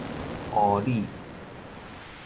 湖里